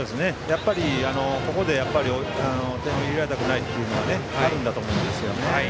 ここで点を入れられたくないというのがあるんだと思うんですね。